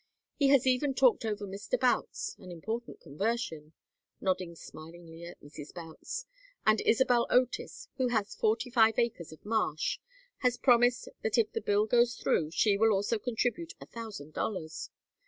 He has even talked over Mr. Boutts an important conversion" nodding smilingly at Mrs. Boutts "and Isabel Otis, who has forty five acres of marsh, has promised that if the bill goes through she will also contribute a thousand dollars.